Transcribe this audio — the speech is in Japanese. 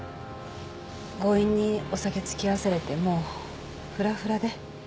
強引にお酒付き合わされてもうフラフラで。